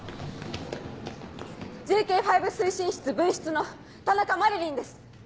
ＪＫ５推進室分室の田中麻理鈴です。